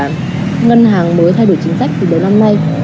là ngân hàng mới thay đổi chính sách từ đầu năm nay